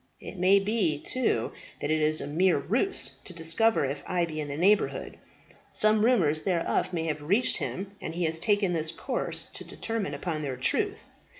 It may be, too, that it is a mere ruse to discover if I be in the neighbourhood. Some rumours thereof may have reached him, and he has taken this course to determine upon their truth.